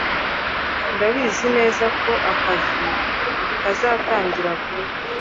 ndabizi nezako akazi kazatangira vuba